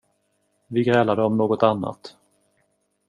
Vi grälade om något annat.